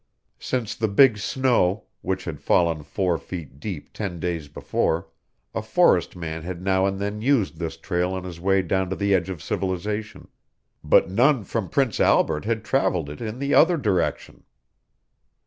Since the big snow, which had fallen four feet deep ten days before, a forest man had now and then used this trail on his way down to the edge of civilization; but none from Prince Albert had traveled it in the other direction.